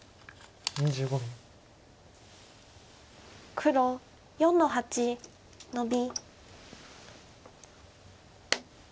黒４の八ノビ。